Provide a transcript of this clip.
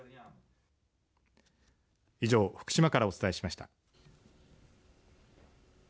以上、福島からお伝えしました。